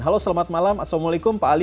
halo selamat malam assalamualaikum pak ali